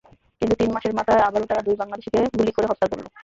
কিন্তু তিন মাসের মাথায় আবারও তারা দুই বাংলাদেশিকে গুলি করে হত্যা করল।